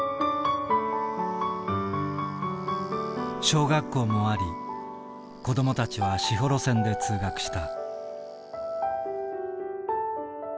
小学校もあり子どもたちは士幌線で通学した。